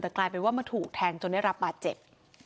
แต่กลายเป็นว่ามาถูกแทงจนได้รับบาดเจ็บ